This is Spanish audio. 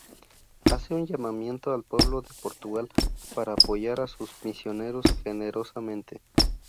Hace un llamamiento al pueblo de Portugal, para apoyar a sus misioneros generosamente.